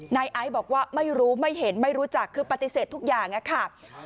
นายไอซ์บอกว่าไม่รู้ไม่เห็นไม่รู้จักคือปฏิเสธทุกอย่างค่ะ